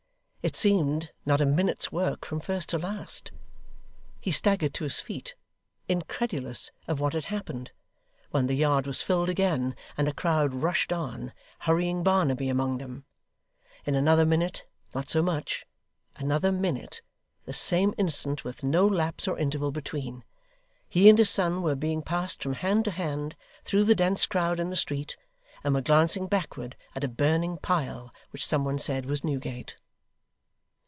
It seemed not a minute's work from first to last. He staggered to his feet, incredulous of what had happened, when the yard was filled again, and a crowd rushed on, hurrying Barnaby among them. In another minute not so much: another minute! the same instant, with no lapse or interval between! he and his son were being passed from hand to hand, through the dense crowd in the street, and were glancing backward at a burning pile which some one said was Newgate.